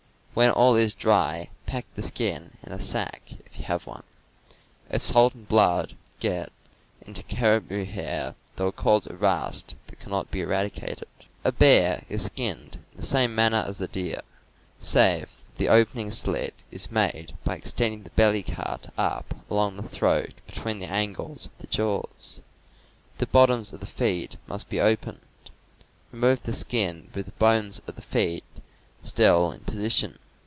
When all is dry, pack the skin in a sack, if you have one. If salt and blood once get into caribou hair they cause a rust that cannot be eradicated. A bear is skinned in the same manner as a deer, save that the opening slit is made by extending the belly ^„,. cut up along the throat between the angles of the jaws. The bottoms of the feet must be opened. Remove the skin with the bones of the feet still in position.